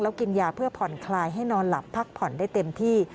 แล้วกินยาเพื่อผ่อนคลายให้นอนหลับพักผ่อนได้เต็มที่